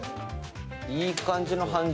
いい感じの半熟。